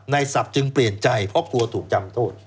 ศัพท์จึงเปลี่ยนใจเพราะกลัวถูกจำโทษ